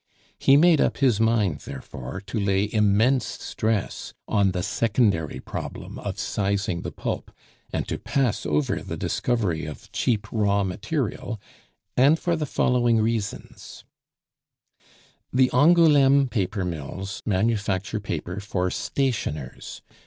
He made up his mind, therefore, to lay immense stress on the secondary problem of sizing the pulp, and to pass over the discovery of cheap raw material, and for the following reasons: The Angouleme paper mills manufacture paper for stationers.